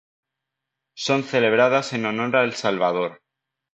Son celebradas en honor a El Salvador